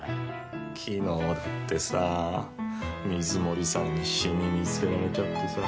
昨日だってさ水森さんにシミ見つけられちゃってさ。